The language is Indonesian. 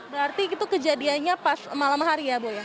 berarti itu kejadiannya pas malam hari ya bu ya